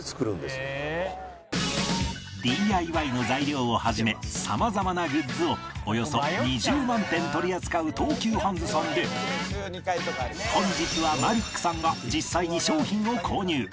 ＤＩＹ の材料を始め様々なグッズをおよそ２０万点取り扱う東急ハンズさんで本日はマリックさんが実際に商品を購入